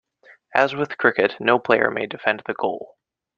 As with cricket, no player may defend the goal.